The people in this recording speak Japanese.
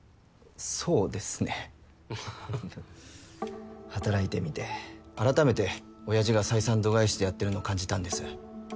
そうですね働いてみて改めて親父が採算度外視でやってるのを感じたんです